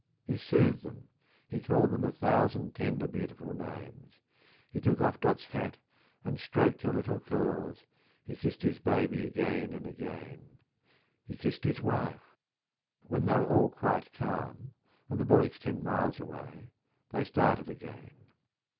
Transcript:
He soothed them, he called them a thousand tender, beautiful names; he took off Dot's hat and stroked her little curls, he kissed his baby again and again; he kissed his wife. When they were all quite calm and the bullocks ten miles away, they started again.